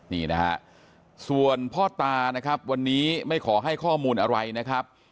นี่นะฮะส่วนพ่อตานะครับวันนี้ไม่ขอให้ข้อมูลอะไรนะครับ